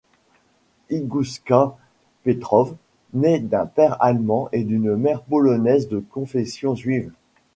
Ingoushka Petrov naît d'un père allemand et d'une mère polonaise de confession juive.